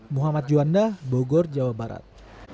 muhammad juanda bogor jawa barat